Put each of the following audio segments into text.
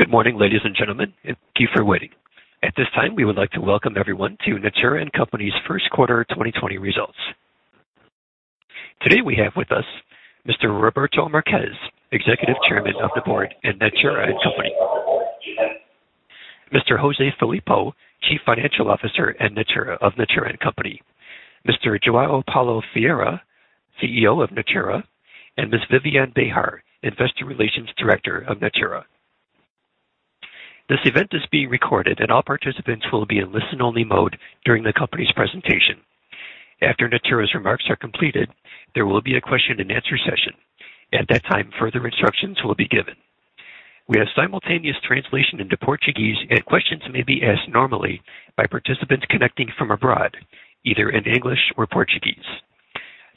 Good morning, ladies and gentlemen. Thank you for waiting. At this time, we would like to welcome everyone to Natura &Co's first quarter 2020 results. Today we have with us Mr. Roberto Marques, Executive Chairman of the Board at Natura &Co. Mr. José Filippo, Chief Financial Officer of Natura &Co. Mr. João Paulo Ferreira, CEO of Natura, and Ms. Viviane Behar, Investor Relations Director of Natura. This event is being recorded, and all participants will be in listen-only mode during the company's presentation. After Natura's remarks are completed, there will be a question and answer session. At that time, further instructions will be given. We have simultaneous translation into Portuguese, and questions may be asked normally by participants connecting from abroad, either in English or Portuguese.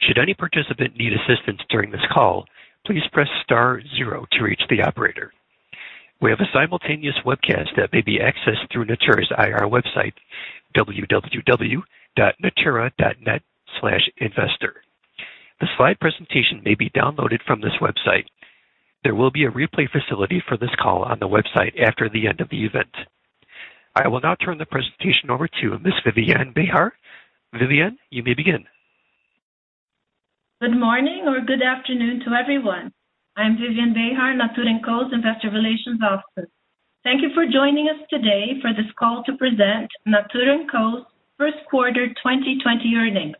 Should any participant need assistance during this call, please press star zero to reach the operator. We have a simultaneous webcast that may be accessed through Natura's IR website, www.natura.net/investor. The slide presentation may be downloaded from this website. There will be a replay facility for this call on the website after the end of the event. I will now turn the presentation over to Ms. Viviane Behar. Viviane, you may begin. Good morning or good afternoon to everyone. I'm Viviane Behar, Natura &Co's Investor Relations Officer. Thank you for joining us today for this call to present Natura &Co's first quarter 2020 earnings.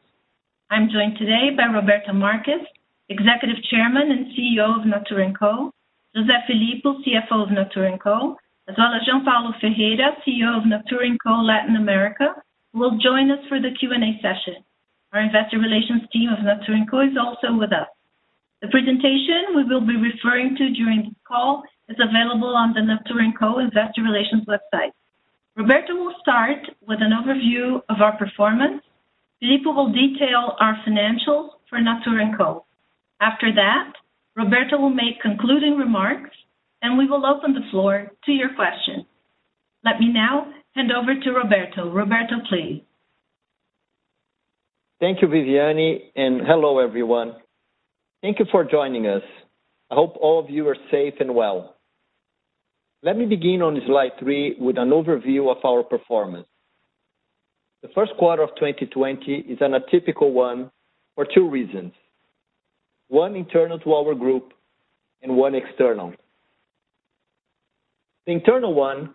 I'm joined today by Roberto Marques, Executive Chairman and CEO of Natura &Co, José Filippo, CFO of Natura &Co, as well as João Paulo Ferreira, CEO of Natura &Co Latin America, who will join us for the Q&A session. Our investor relations team of Natura &Co is also with us. The presentation we will be referring to during the call is available on the Natura &Co investor relations website. Roberto will start with an overview of our performance. Filippo will detail our financials for Natura &Co. After that, Roberto will make concluding remarks, and we will open the floor to your questions. Let me now hand over to Roberto. Roberto, please. Thank you, Viviane. Hello, everyone. Thank you for joining us. I hope all of you are safe and well. Let me begin on slide three with an overview of our performance. The first quarter of 2020 is an atypical one for two reasons. One internal to our group and one external. The internal one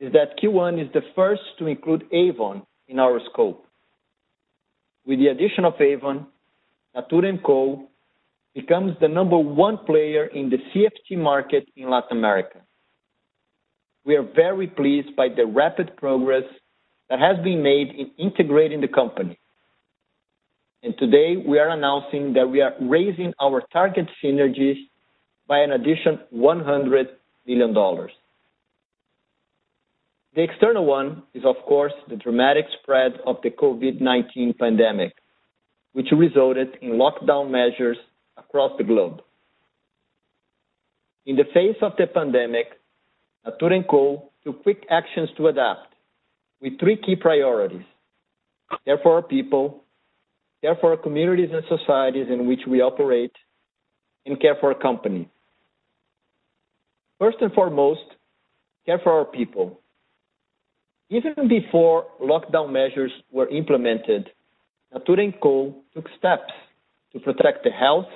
is that Q1 is the first to include Avon in our scope. With the addition of Avon, Natura &Co becomes the number one player in the CFT market in Latin America. We are very pleased by the rapid progress that has been made in integrating the company. Today, we are announcing that we are raising our target synergies by an additional $100 million. The external one is, of course, the dramatic spread of the COVID-19 pandemic, which resulted in lockdown measures across the globe. In the face of the pandemic, Natura &Co took quick actions to adapt with three key priorities. Care for our people, care for our communities and societies in which we operate, and care for our company. First and foremost, care for our people. Even before lockdown measures were implemented, Natura &Co took steps to protect the health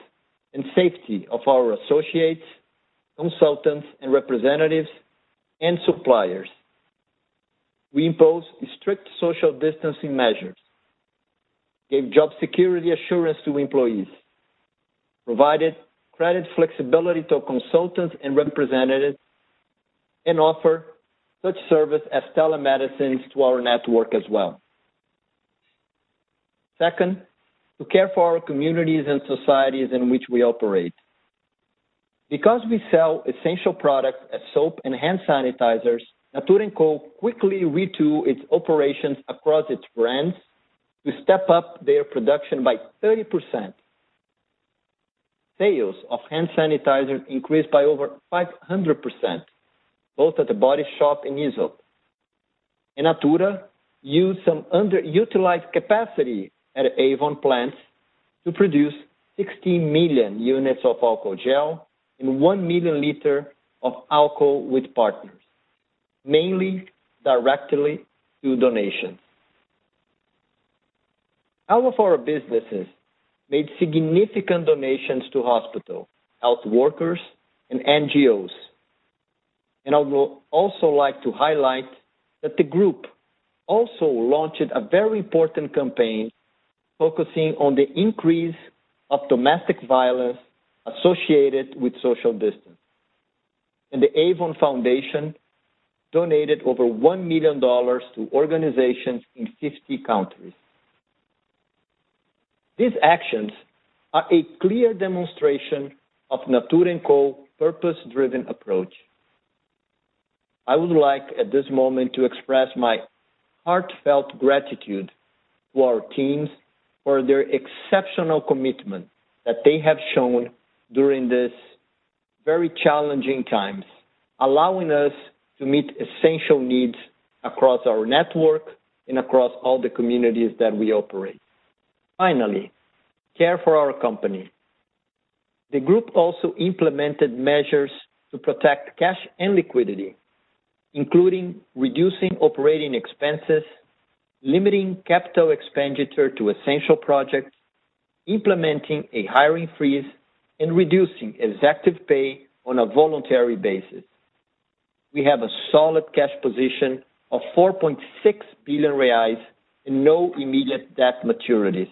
and safety of our associates, consultants, and representatives, and suppliers. We imposed strict social distancing measures, gave job security assurance to employees, provided credit flexibility to our consultants and representatives, and offer such service as telemedicine to our network as well. Second, to care for our communities and societies in which we operate. Because we sell essential products as soap and hand sanitizers, Natura &Co quickly retool its operations across its brands to step up their production by 30%. Sales of hand sanitizers increased by over 500%, both at The Body Shop and Aesop. Natura used some underutilized capacity at Avon plants to produce 16 million units of alcohol gel and 1 million liters of alcohol with partners, mainly directly through donations. All of our businesses made significant donations to hospitals, health workers, and NGOs. I would also like to highlight that the group also launched a very important campaign focusing on the increase of domestic violence associated with social distance. The Avon Foundation donated over BRL 1 million to organizations in 50 countries. These actions are a clear demonstration of Natura &Co's purpose-driven approach. I would like at this moment to express my heartfelt gratitude to our teams for their exceptional commitment that they have shown during these very challenging times, allowing us to meet essential needs across our network and across all the communities that we operate. Finally, care for our company. The group also implemented measures to protect cash and liquidity, including reducing operating expenses, limiting capital expenditure to essential projects, implementing a hiring freeze, and reducing executive pay on a voluntary basis. We have a solid cash position of 4.6 billion reais and no immediate debt maturities.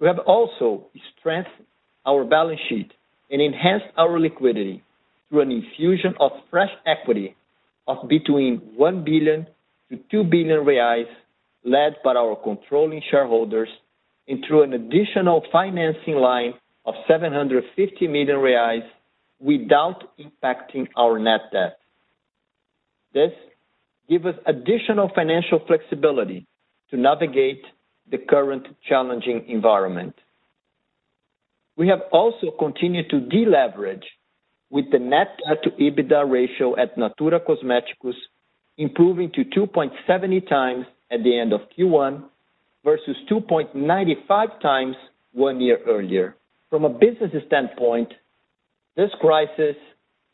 We have also strengthened our balance sheet and enhanced our liquidity through an infusion of fresh equity of between 1 billion-2 billion reais, led by our controlling shareholders, and through an additional financing line of 750 million reais without impacting our net debt. This gives us additional financial flexibility to navigate the current challenging environment. We have also continued to deleverage with the net debt to EBITDA ratio at Natura Cosméticos improving to 2.70 times at the end of Q1 versus 2.95 times one year earlier. From a business standpoint, this crisis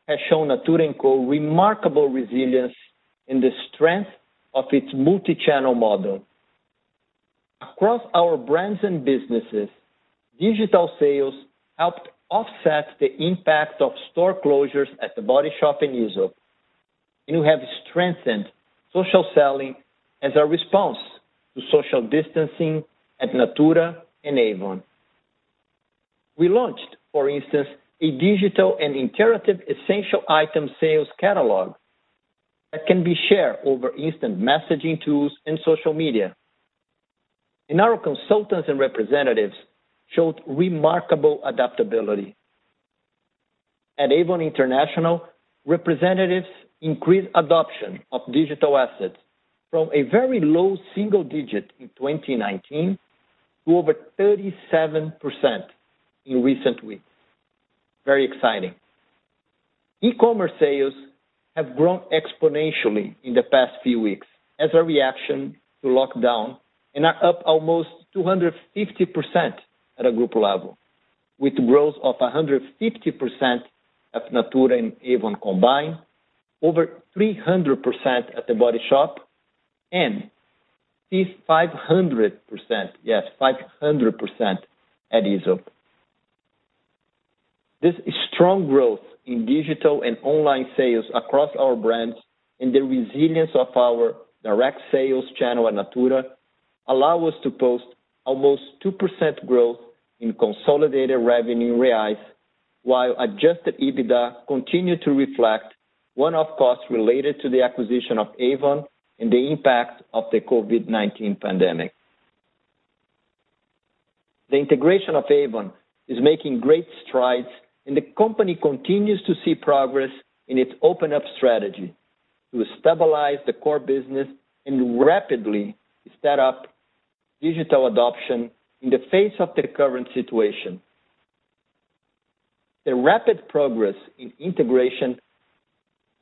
has shown Natura &Co remarkable resilience in the strength of its multi-channel model. Across our brands and businesses, digital sales helped offset the impact of store closures at The Body Shop and Aesop. We have strengthened social selling as a response to social distancing at Natura and Avon. We launched, for instance, a digital and interactive essential item sales catalog that can be shared over instant messaging tools and social media. Our consultants and representatives showed remarkable adaptability. At Avon International, representatives increased adoption of digital assets from a very low single digit in 2019 to over 37% in recent weeks. Very exciting. E-commerce sales have grown exponentially in the past few weeks as a reaction to lockdown, and are up almost 250% at a group level, with growth of 150% at Natura and Avon combined, over 300% at The Body Shop, and 500%, yes, 500% at Aesop. This strong growth in digital and online sales across our brands and the resilience of our direct sales channel at Natura allow us to post almost 2% growth in consolidated revenue in BRL, while adjusted EBITDA continued to reflect one-off costs related to the acquisition of Avon and the impact of the COVID-19 pandemic. The integration of Avon is making great strides, and the company continues to see progress in its Open Up Avon strategy to stabilize the core business and rapidly set up digital adoption in the face of the current situation. The rapid progress in integration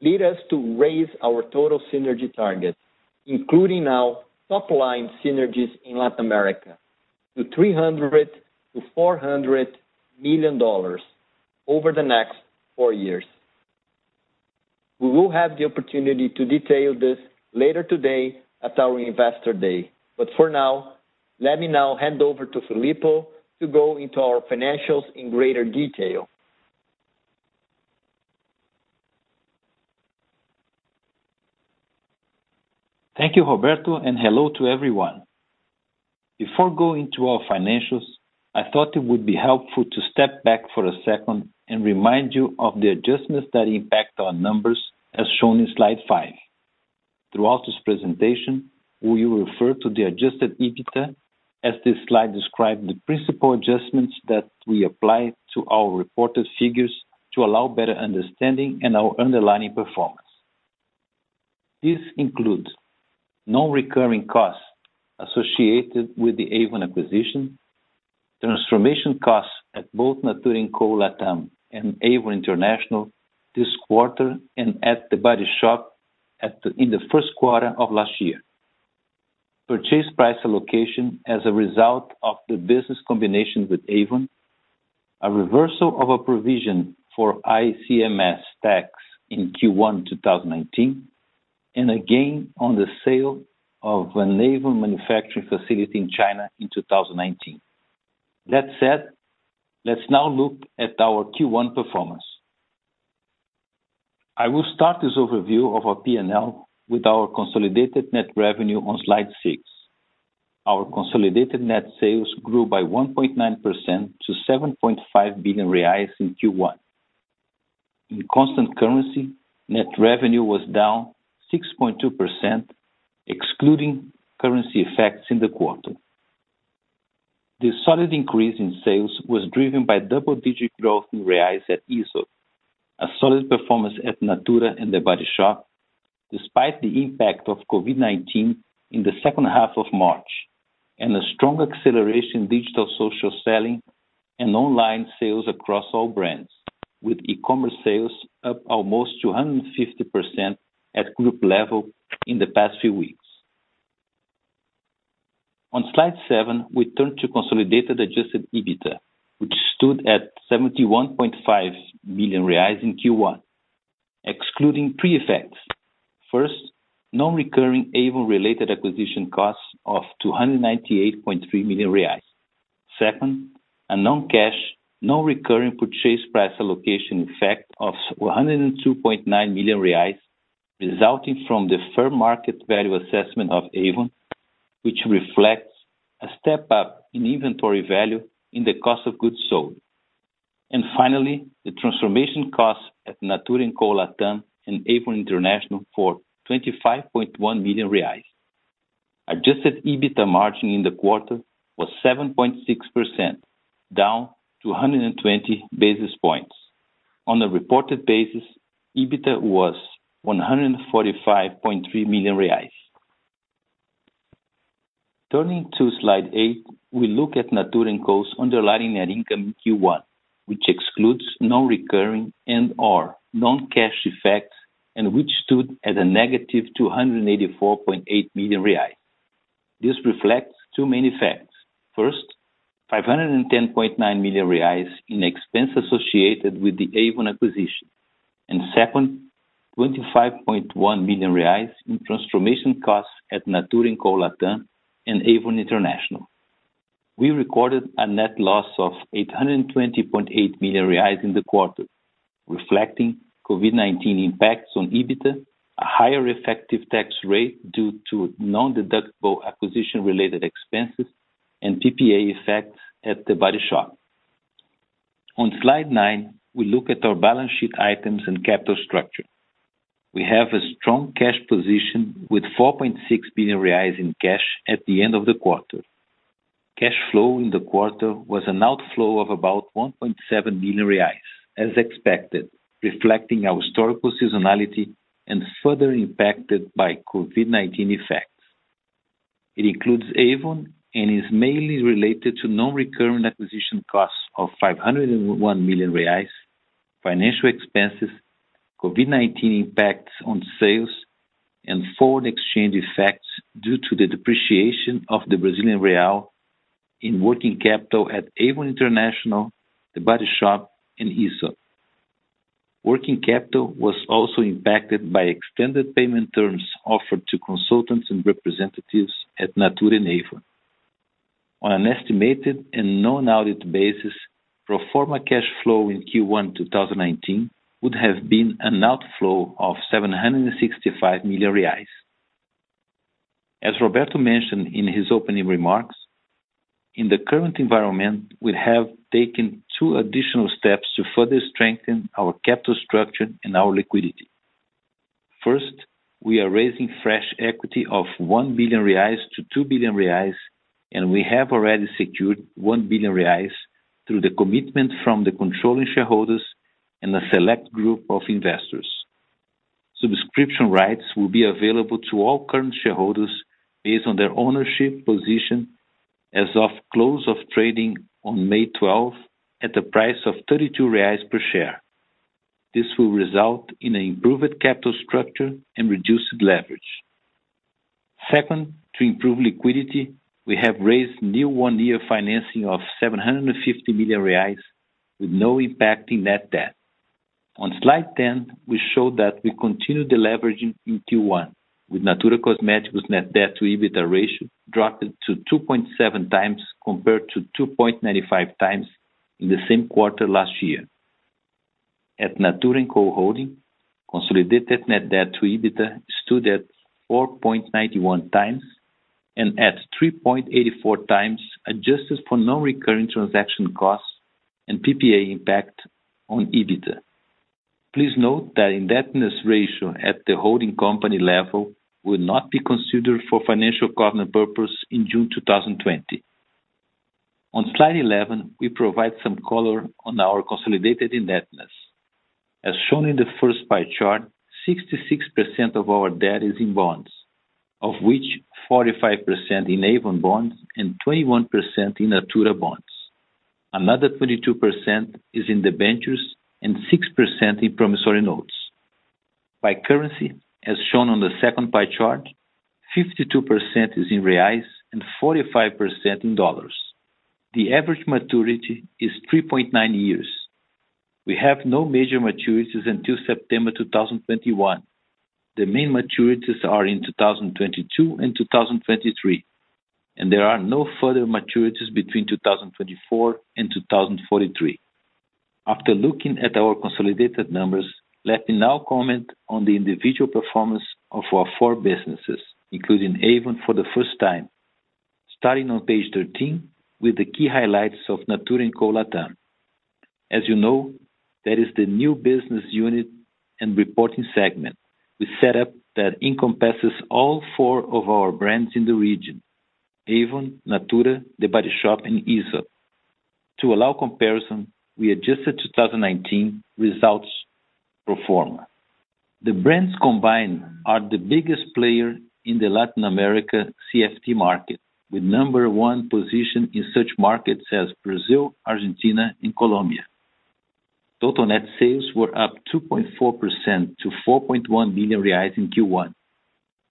led us to raise our total synergy targets, including now top-line synergies in Latin America to $300 million-$400 million over the next four years. We will have the opportunity to detail this later today at our Investor Day. Let me now hand over to Filippo to go into our financials in greater detail. Thank you, Roberto, and hello to everyone. Before going through our financials, I thought it would be helpful to step back for a second and remind you of the adjustments that impact our numbers, as shown in slide five. Throughout this presentation, we will refer to the adjusted EBITDA, as this slide describe the principal adjustments that we apply to our reported figures to allow better understanding in our underlying performance. This includes non-recurring costs associated with the Avon acquisition, transformation costs at both Natura &Co Latam and Avon International this quarter, and at The Body Shop in the first quarter of last year. Purchase price allocation as a result of the business combination with Avon, a reversal of a provision for ICMS tax in Q1 2019, and a gain on the sale of an Avon manufacturing facility in China in 2019. That said, let's now look at our Q1 performance. I will start this overview of our P&L with our consolidated net revenue on slide six. Our consolidated net sales grew by 1.9% to 7.5 billion reais in Q1. In constant currency, net revenue was down 6.2%, excluding currency effects in the quarter. This solid increase in sales was driven by double-digit growth in BRL at Aesop, a solid performance at Natura and The Body Shop, despite the impact of COVID-19 in the second half of March, and a strong acceleration in digital social selling and online sales across all brands, with e-commerce sales up almost 250% at group level in the past few weeks. On slide seven, we turn to consolidated adjusted EBITDA, which stood at 71.5 million reais in Q1. Excluding pre-effects. First, non-recurring Avon related acquisition costs of 298.3 million reais. Second, a non-cash, non-recurring purchase price allocation effect of 102.9 million reais, resulting from the fair market value assessment of Avon, which reflects a step up in inventory value in the cost of goods sold. Finally, the transformation costs at Natura &Co Latam and Avon International for 25.1 million reais. Adjusted EBITDA margin in the quarter was 7.6%, down 220 basis points. On a reported basis, EBITDA was 145.3 million reais. Turning to slide eight, we look at Natura & Co's underlying net income in Q1, which excludes non-recurring and/or non-cash effects and which stood at a negative 284.8 million. This reflects two main effects. First, 510.9 million in expense associated with the Avon acquisition. Second, 25.1 million in transformation costs at Natura &Co Latam and Avon International. We recorded a net loss of 820.8 million reais in the quarter, reflecting COVID-19 impacts on EBITDA, a higher effective tax rate due to non-deductible acquisition related expenses, and PPA effects at The Body Shop. On slide nine, we look at our balance sheet items and capital structure. We have a strong cash position with 4.6 billion reais in cash at the end of the quarter. Cash flow in the quarter was an outflow of about 1.7 billion reais, as expected, reflecting our historical seasonality and further impacted by COVID-19 effects. It includes Avon and is mainly related to non-recurring acquisition costs of 501 million reais, financial expenses, COVID-19 impacts on sales, and foreign exchange effects due to the depreciation of the Brazilian real in working capital at Avon International, The Body Shop, and Aesop. Working capital was also impacted by extended payment terms offered to consultants and representatives at Natura and Avon. On an estimated and non-audited basis, pro forma cash flow in Q1 2019 would have been an outflow of 765 million reais. As Roberto mentioned in his opening remarks, in the current environment, we have taken two additional steps to further strengthen our capital structure and our liquidity. First, we are raising fresh equity of 1 billion-2 billion reais, and we have already secured 1 billion reais through the commitment from the controlling shareholders and a select group of investors. Subscription rights will be available to all current shareholders based on their ownership position as of close of trading on May 12th at a price of 32 reais per share. This will result in an improved capital structure and reduced leverage. Second, to improve liquidity, we have raised new one-year financing of 750 million reais, with no impact in net debt. On slide 10, we show that we continued deleveraging in Q1 with Natura Cosméticos' net debt to EBITDA ratio dropping to 2.7 times compared to 2.95 times in the same quarter last year. At Natura &Co Holding, consolidated net debt to EBITDA stood at 4.91 times and at 3.84 times, adjusted for non-recurring transaction costs and PPA impact on EBITDA. Please note that the indebtedness ratio at the holding company level will not be considered for financial covenant purpose in June 2020. On slide 11, we provide some color on our consolidated indebtedness. As shown in the first pie chart, 66% of our debt is in bonds, of which 45% in Avon bonds and 21% in Natura bonds. Another 22% is in debentures and 6% in promissory notes. By currency, as shown on the second pie chart, 52% is in BRL and 45% in USD. The average maturity is 3.9 years. We have no major maturities until September 2021. The main maturities are in 2022 and 2023, and there are no further maturities between 2024 and 2043. After looking at our consolidated numbers, let me now comment on the individual performance of our four businesses, including Avon for the first time. Starting on page 13 with the key highlights of Natura &Co Latam. As you know, that is the new business unit and reporting segment we set up that encompasses all four of our brands in the region: Avon, Natura, The Body Shop, and Aesop. To allow comparison, we adjusted 2019 results pro forma. The brands combined are the biggest player in the Latin America CFT market, with number one position in such markets as Brazil, Argentina, and Colombia. Total net sales were up 2.4% to 4.1 billion reais in Q1,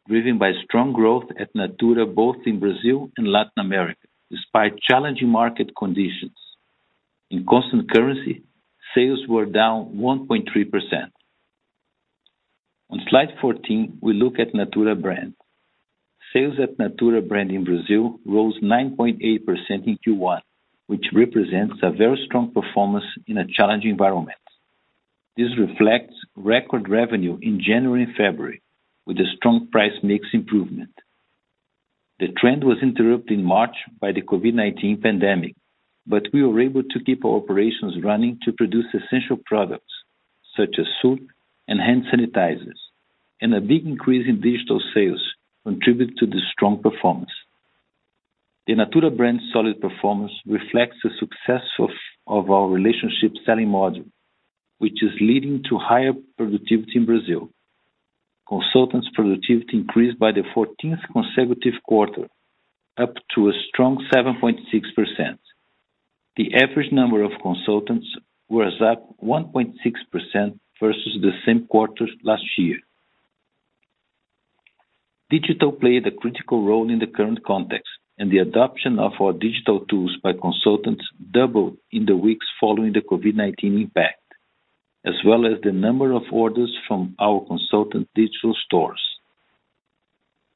driven by strong growth at Natura, both in Brazil and Latin America, despite challenging market conditions. In constant currency, sales were down 1.3%. On slide 14, we look at Natura brand. Sales at Natura brand in Brazil rose 9.8% in Q1, which represents a very strong performance in a challenging environment. This reflects record revenue in January and February, with a strong price mix improvement. The trend was interrupted in March by the COVID-19 pandemic, but we were able to keep our operations running to produce essential products such as soap and hand sanitizers, and a big increase in digital sales contributed to the strong performance. The Natura brand solid performance reflects the success of our relationship selling model, which is leading to higher productivity in Brazil. Consultants' productivity increased by the 14th consecutive quarter, up to a strong 7.6%. The average number of consultants was up 1.6% versus the same quarter last year. Digital played a critical role in the current context, and the adoption of our digital tools by consultants doubled in the weeks following the COVID-19 impact, as well as the number of orders from our consultant digital stores.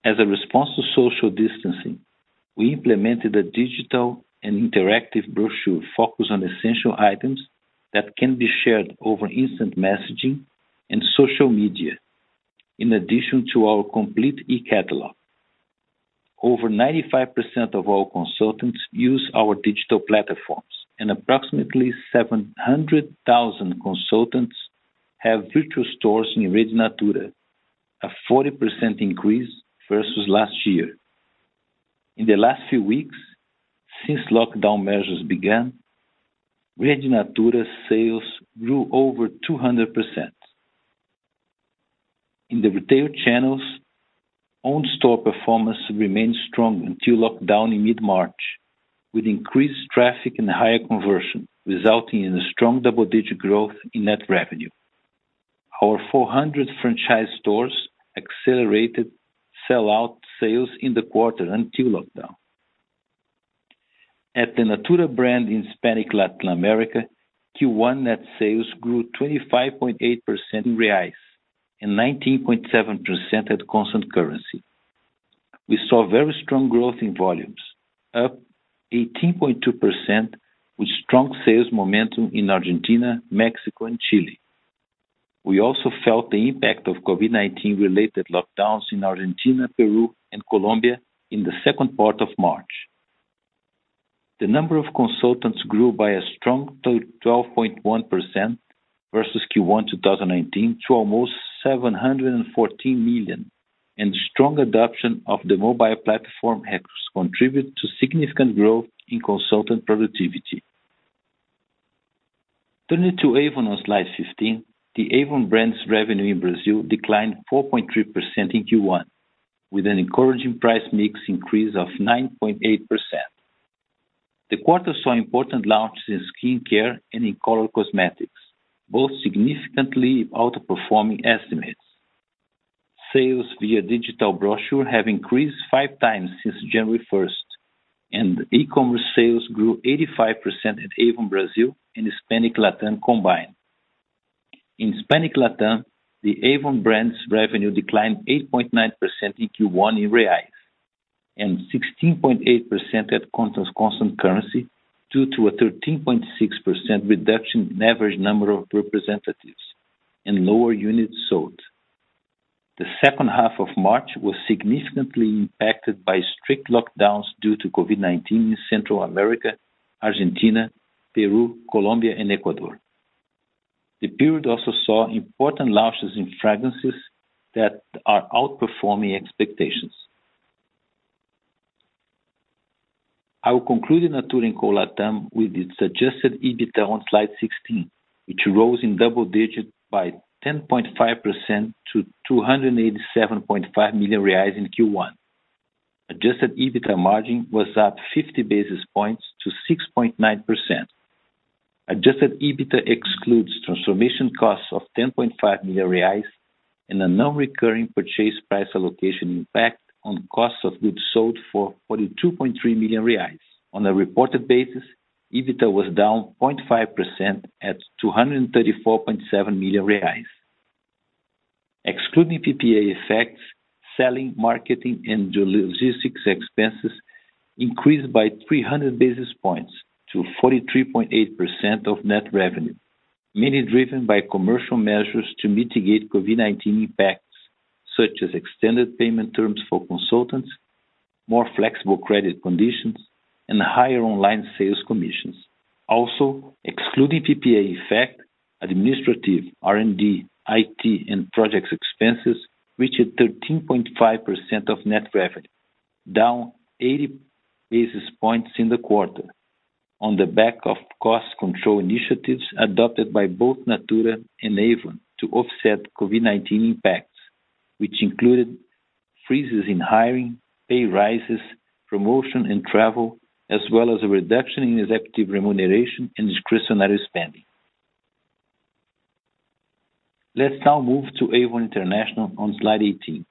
As a response to social distancing, we implemented a digital and interactive brochure focused on essential items that can be shared over instant messaging and social media, in addition to our complete e-catalog. Over 95% of all consultants use our digital platforms, and approximately 700,000 consultants have virtual stores in Rede Natura, a 40% increase versus last year. In the last few weeks, since lockdown measures began, Rede Natura sales grew over 200%. In the retail channels, own store performance remained strong until lockdown in mid-March, with increased traffic and higher conversion, resulting in a strong double-digit growth in net revenue. Our 400 franchise stores accelerated sellout sales in the quarter until lockdown. At the Natura brand in Hispanic Latin America, Q1 net sales grew 25.8% in BRL and 19.7% at constant currency. We saw very strong growth in volumes, up 18.2%, with strong sales momentum in Argentina, Mexico, and Chile. We also felt the impact of COVID-19 related lockdowns in Argentina, Peru, and Colombia in the second part of March. The number of consultants grew by a strong 12.1% versus Q1 2019 to almost 714 million, and strong adoption of the mobile platform Natura On contribute to significant growth in consultant productivity. Turning to Avon on slide 15, the Avon brand's revenue in Brazil declined 4.3% in Q1, with an encouraging price mix increase of 9.8%. The quarter saw important launches in skincare and in color cosmetics, both significantly outperforming estimates. Sales via digital brochure have increased five times since January 1st, and e-commerce sales grew 85% at Avon Brazil and Hispanic LatAm combined. In Hispanic LatAm, the Avon brand's revenue declined 8.9% in Q1 in BRL, and 16.8% at constant currency due to a 13.6% reduction in average number of representatives and lower units sold. The second half of March was significantly impacted by strict lockdowns due to COVID-19 in Central America, Argentina, Peru, Colombia, and Ecuador. The period also saw important launches in fragrances that are outperforming expectations. I will conclude Natura & Co LatAm with its adjusted EBITDA on slide 16, which rose in double digits by 10.5% to 287.5 million reais in Q1. Adjusted EBITDA margin was up 50 basis points to 6.9%. Adjusted EBITDA excludes transformation costs of 10.5 million reais and a non-recurring purchase price allocation impact on cost of goods sold for 42.3 million reais. On a reported basis, EBITDA was down 0.5% at 234.7 million reais. Excluding PPA effects, selling, marketing, and logistics expenses increased by 300 basis points to 43.8% of net revenue, mainly driven by commercial measures to mitigate COVID-19 impacts, such as extended payment terms for consultants, more flexible credit conditions, and higher online sales commissions. Also, excluding PPA effect, administrative, R&D, IT, and projects expenses reached 13.5% of net revenue, down 80 basis points in the quarter. On the back of cost control initiatives adopted by both Natura and Avon to offset COVID-19 impacts, which included freezes in hiring, pay raises, promotion, and travel, as well as a reduction in executive remuneration and discretionary spending. Let's now move to Avon International on slide 18.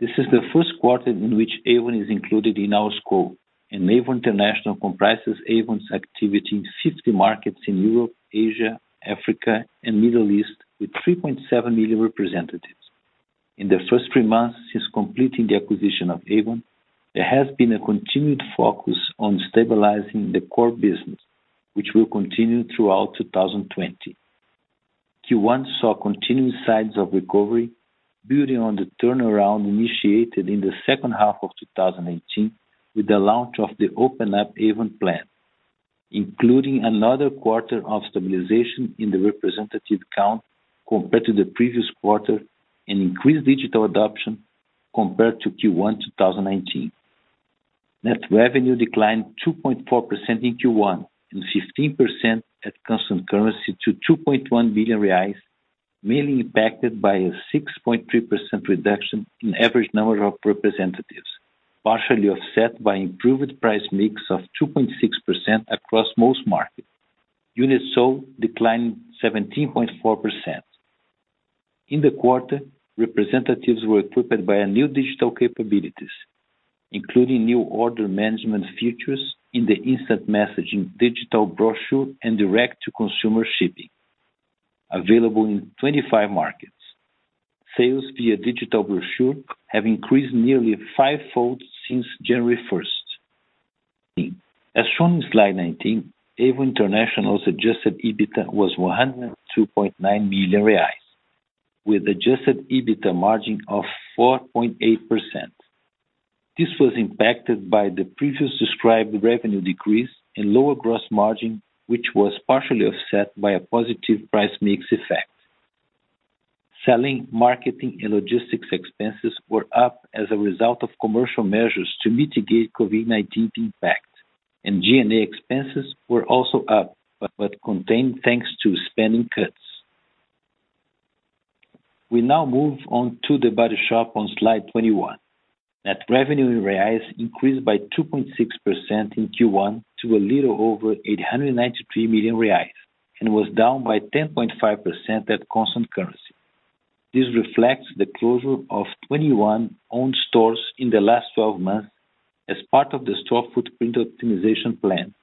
This is the first quarter in which Avon is included in our scope, and Avon International comprises Avon's activity in 60 markets in Europe, Asia, Africa, and Middle East, with 3.7 million representatives. In the first three months since completing the acquisition of Avon, there has been a continued focus on stabilizing the core business, which will continue throughout 2020. Q1 saw continuing signs of recovery, building on the turnaround initiated in the second half of 2018 with the launch of the Open Up Avon plan, including another quarter of stabilization in the representative count compared to the previous quarter, and increased digital adoption compared to Q1 2019. Net revenue declined 2.4% in Q1 and 15% at constant currency to 2.1 billion reais, mainly impacted by a 6.3% reduction in average number of representatives, partially offset by improved price mix of 2.6% across most markets. Units sold declined 17.4%. In the quarter, representatives were equipped by new digital capabilities, including new order management features in the instant messaging digital brochure and direct-to-consumer shipping, available in 25 markets. Sales via digital brochure have increased nearly five-fold since January 1st. As shown in slide 19, Avon International's adjusted EBITDA was 102.9 million reais, with adjusted EBITDA margin of 4.8%. This was impacted by the previous described revenue decrease and lower gross margin, which was partially offset by a positive price mix effect. Selling, marketing, and logistics expenses were up as a result of commercial measures to mitigate COVID-19 impact, and G&A expenses were also up, but contained, thanks to spending cuts. We now move on to The Body Shop on slide 21. Net revenue in BRL increased by 2.6% in Q1 to a little over 893 million reais and was down by 10.5% at constant currency. This reflects the closure of 21 owned stores in the last 12 months as part of the store footprint optimization plan,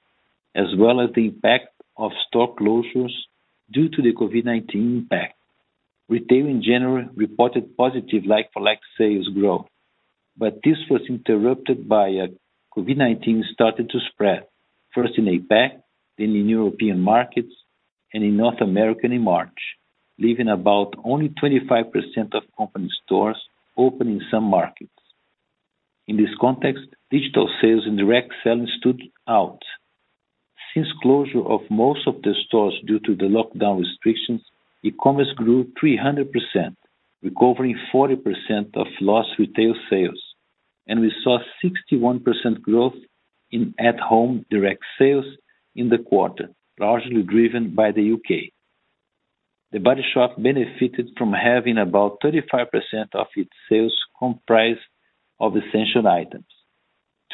as well as the impact of store closures due to the COVID-19 impact. Retail, in general, reported positive like-for-like sales growth, but this was interrupted by COVID-19 starting to spread, first in APAC, then in European markets, and in North America in March, leaving about only 25% of company stores open in some markets. In this context, digital sales and direct selling stood out. Since closure of most of the stores due to the lockdown restrictions, e-commerce grew 300%, recovering 40% of lost retail sales, and we saw 61% growth in at-home direct sales in the quarter, largely driven by the U.K. The Body Shop benefited from having about 35% of its sales comprised of essential items.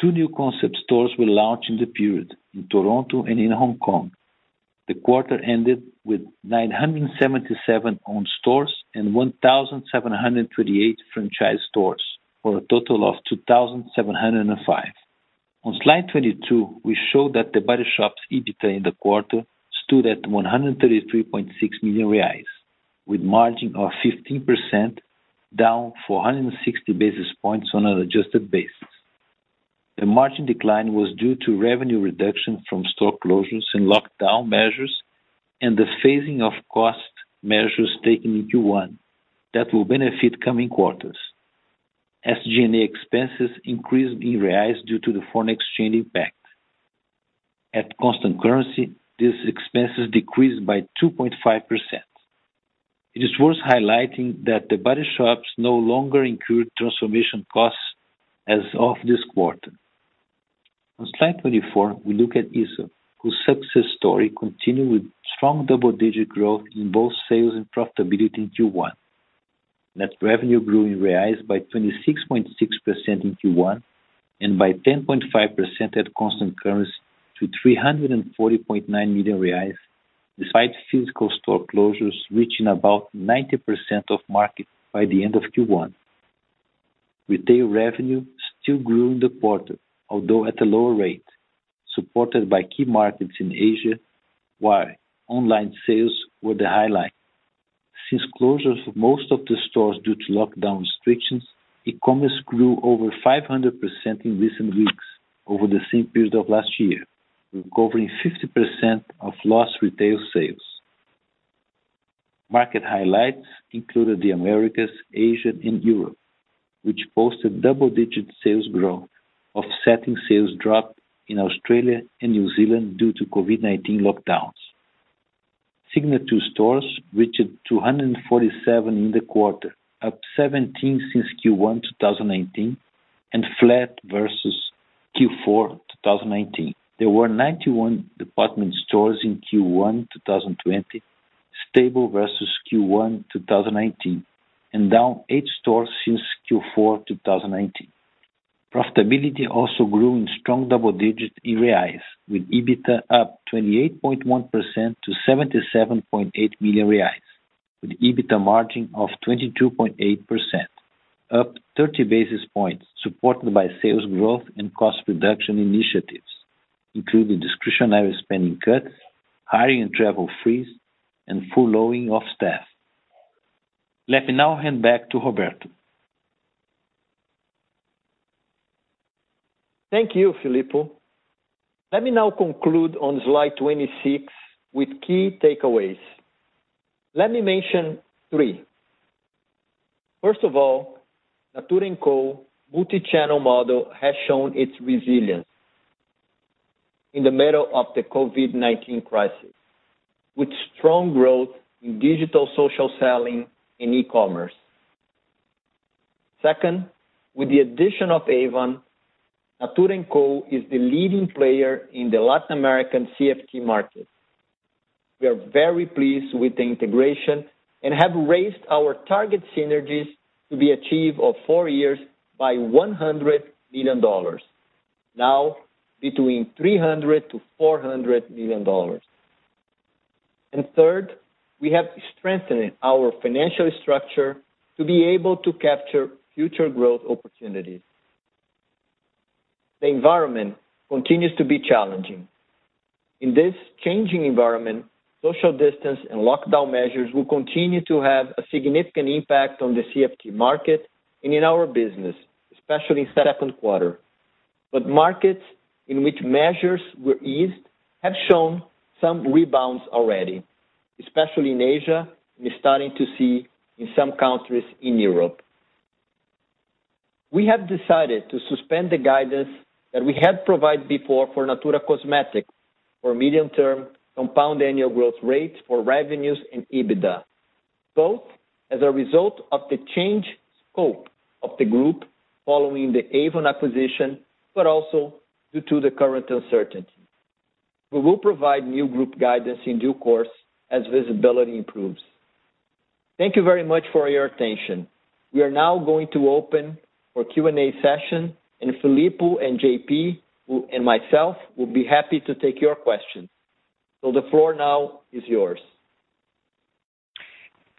Two new concept stores were launched in the period, in Toronto and in Hong Kong. The quarter ended with 977 owned stores and 1,728 franchise stores, for a total of 2,705. On slide 22, we show that The Body Shop's EBITDA in the quarter stood at 133.6 million reais, with margin of 15% down 460 basis points on an adjusted basis. The margin decline was due to revenue reduction from store closures and lockdown measures, and the phasing of cost measures taken in Q1 that will benefit coming quarters. SG&A expenses increased in BRL due to the foreign exchange impact. At constant currency, these expenses decreased by 2.5%. It is worth highlighting that The Body Shop no longer incurred transformation costs as of this quarter. On slide 24, we look at Aesop, whose success story continued with strong double-digit growth in both sales and profitability in Q1. Net revenue grew in BRL by 26.6% in Q1 and by 10.5% at constant currency to 340.9 million reais, despite physical store closures reaching about 90% of market by the end of Q1. Retail revenue still grew in the quarter, although at a lower rate, supported by key markets in Asia, while online sales were the highlight. Since closure of most of the stores due to lockdown restrictions, e-commerce grew over 500% in recent weeks over the same period of last year, recovering 50% of lost retail sales. Market highlights included the Americas, Asia, and Europe, which posted double-digit sales growth, offsetting sales drop in Australia and New Zealand due to COVID-19 lockdowns. Signature stores reached 247 in the quarter, up 17 since Q1 2019, and flat versus Q4 2019. There were 91 department stores in Q1 2020, stable versus Q1 2019, and down eight stores since Q4 2019. Profitability also grew in strong double digits in reais, with EBITDA up 28.1% to 77.8 million reais, with EBITDA margin of 22.8%, up 30 basis points, supported by sales growth and cost reduction initiatives, including discretionary spending cuts, hiring and travel freeze, and furloughing of staff. Let me now hand back to Roberto. Thank you, Filippo. Let me now conclude on slide 26 with key takeaways. Let me mention three. First of all, Natura &Co multi-channel model has shown its resilience in the middle of the COVID-19 crisis, with strong growth in digital social selling in e-commerce. Second, with the addition of Avon, Natura &Co is the leading player in the Latin American CFT market. We are very pleased with the integration and have raised our target synergies to be achieved of four years by $100 million. Now $300 million-$400 million. Third, we have strengthened our financial structure to be able to capture future growth opportunities. The environment continues to be challenging. In this changing environment, social distance and lockdown measures will continue to have a significant impact on the CFT market and in our business, especially second quarter. Markets in which measures were eased have shown some rebounds already, especially in Asia, we're starting to see in some countries in Europe. We have decided to suspend the guidance that we had provided before for Natura Cosméticos for medium term compound annual growth rates for revenues and EBITDA, both as a result of the change scope of the group following the Avon acquisition, but also due to the current uncertainty. We will provide new group guidance in due course as visibility improves. Thank you very much for your attention. We are now going to open for Q&A session, and Filippo and J.P. and myself will be happy to take your questions. The floor now is yours.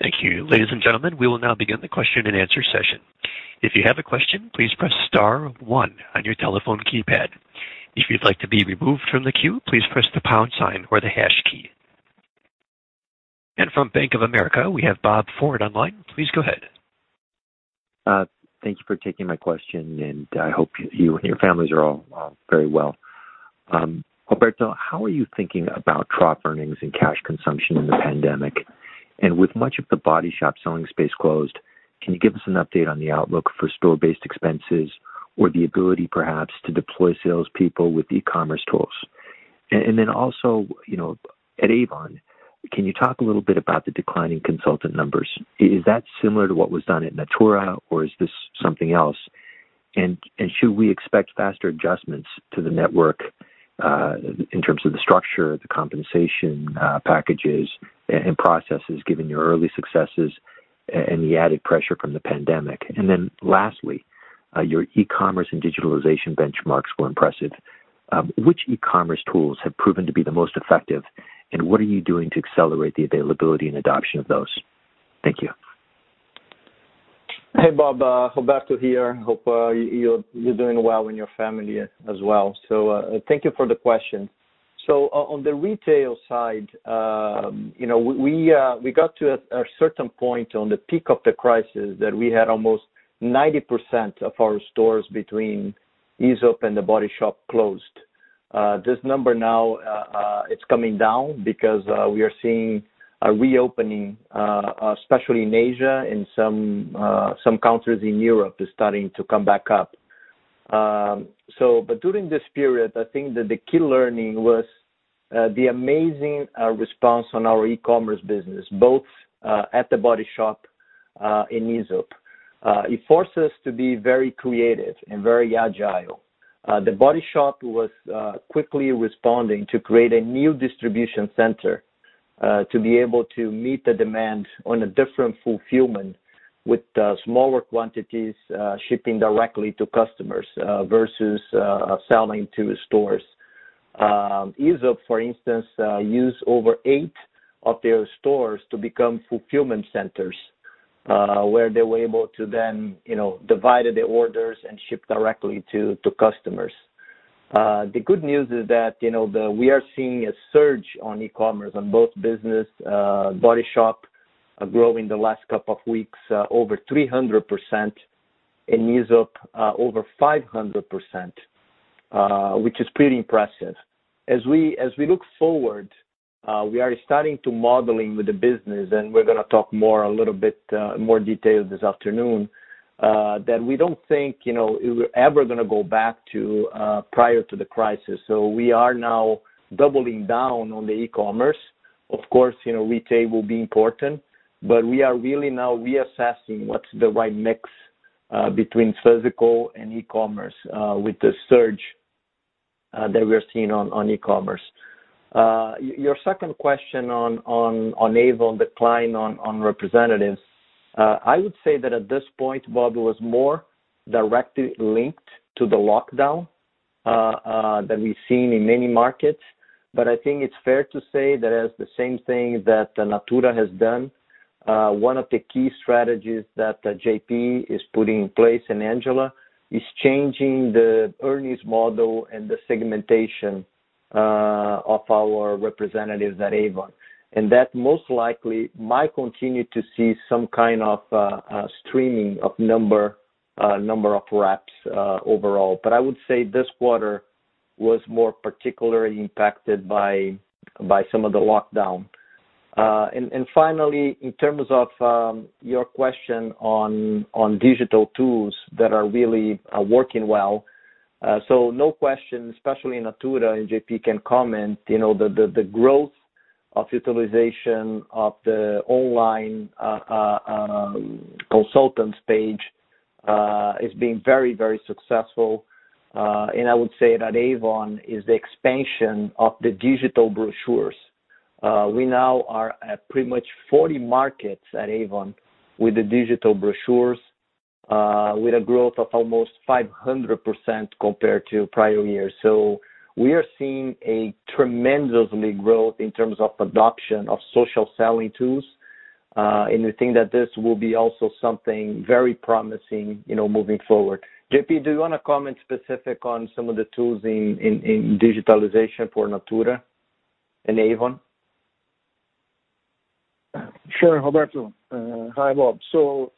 Thank you. Ladies and gentlemen, we will now begin the question and answer session. If you have a question, please press star one on your telephone keypad. If you'd like to be removed from the queue, please press the pound sign or the hash key. From Bank of America, we have Robert Ford online. Please go ahead. Thank you for taking my question, and I hope you and your families are all very well. Roberto, how are you thinking about trough earnings and cash consumption in the pandemic? With much of The Body Shop selling space closed, can you give us an update on the outlook for store-based expenses or the ability perhaps to deploy salespeople with e-commerce tools? At Avon, can you talk a little bit about the decline in consultant numbers? Is that similar to what was done at Natura, or is this something else? Should we expect faster adjustments to the network, in terms of the structure, the compensation packages and processes, given your early successes and the added pressure from the pandemic? Lastly, your e-commerce and digitalization benchmarks were impressive. Which e-commerce tools have proven to be the most effective, and what are you doing to accelerate the availability and adoption of those? Thank you. Hey, Bob. Roberto here. Hope you're doing well and your family as well. Thank you for the question. On the retail side, we got to a certain point on the peak of the crisis that we had almost 90% of our stores between Aesop and The Body Shop closed. This number now, it's coming down because we are seeing a reopening, especially in Asia, and some countries in Europe is starting to come back up. During this period, I think that the key learning was the amazing response on our e-commerce business, both at The Body Shop, and Aesop. It forced us to be very creative and very agile. The Body Shop was quickly responding to create a new distribution center, to be able to meet the demand on a different fulfillment with smaller quantities, shipping directly to customers, versus selling to stores. Aesop, for instance, used over eight of their stores to become fulfillment centers, where they were able to then divide the orders and ship directly to customers. The good news is that we are seeing a surge on e-commerce on both business. Body Shop grew in the last couple of weeks over 300%, and Aesop over 500%, which is pretty impressive. As we look forward, we are starting to modeling with the business, and we're going to talk more, a little bit more detail this afternoon, that we don't think we're ever going to go back to prior to the crisis. We are now doubling down on the e-commerce. Of course, retail will be important, but we are really now reassessing what's the right mix between physical and e-commerce with the surge that we're seeing on e-commerce. Your second question on Avon decline on representatives. I would say that at this point, Bob, it was more directly linked to the lockdown that we've seen in many markets. I think it's fair to say that as the same thing that Natura has done, one of the key strategies that J.P. is putting in place, and Angela, is changing the earnings model and the segmentation of our representatives at Avon. That most likely might continue to see some kind of streaming of number of reps overall. I would say this quarter was more particularly impacted by some of the lockdown. Finally, in terms of your question on digital tools that are really working well. No question, especially in Natura, and J.P. can comment, the growth of utilization of the online consultants page has been very successful. I would say that Avon is the expansion of the digital brochures. We now are at pretty much 40 markets at Avon with the digital brochures, with a growth of almost 500% compared to prior years. We are seeing a tremendous growth in terms of adoption of social selling tools. We think that this will be also something very promising moving forward. J.P., do you want to comment specific on some of the tools in digitalization for Natura and Avon? Sure, Roberto. Hi, Bob.